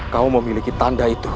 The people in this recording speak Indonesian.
kau memiliki tanda itu